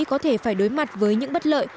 có thể phải đối mặt với những bất lợi